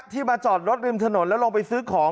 มาจอดรถริมถนนแล้วลงไปซื้อของ